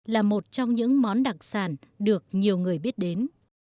là một trong những món đặc sản được nhiều người biết đến